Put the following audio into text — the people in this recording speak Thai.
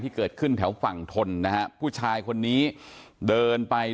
เกิดขึ้นแถวฝั่งทนนะฮะผู้ชายคนนี้เดินไป